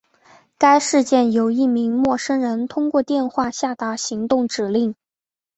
该事件由一名陌生人通过电话下达行动指令。